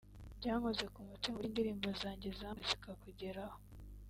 Byankoze ku mutima uburyo indirimbo zanjye zambutse zikakugeraho